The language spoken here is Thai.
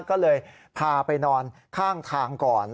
ก็เลยพาไปนอนข้างทางก่อน